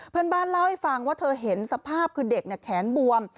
เพื่อนบ้านเล่าให้ฟังว่าเธอเห็นสภาพคือเด็กแขนบวม